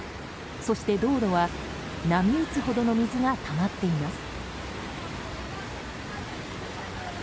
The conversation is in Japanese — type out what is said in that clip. そして道路は波打つほどの水がたまっています。